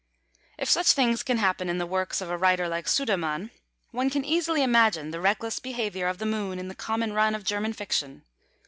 If such things can happen in the works of a writer like Sudermann, one can easily imagine the reckless behaviour of the Moon in the common run of German fiction.